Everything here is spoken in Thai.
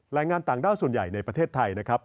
แรงงานต่างด้าวส่วนใหญ่ในประเทศไทยนะครับ